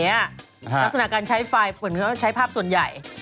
ลักษณะการใช้ไฟเหมือนเขาใช้ภาพส่วนใหญ่